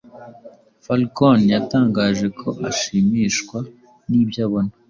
Falcon yatangaje ko ashimishwa nibyo abona